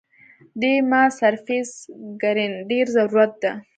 دې ما سرفېس ګرېنډر ضرورت ده